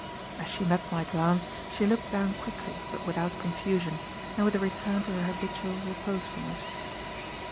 As she met my glance, she looked down quickly but without confusion, and with a return to her habitual reposefulness.